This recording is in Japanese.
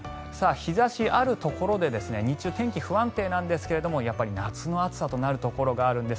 日差しがあるところで日中、天気が不安定ですが夏の暑さになるところがあるんです。